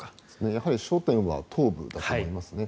やはり焦点は東部だと思いますね。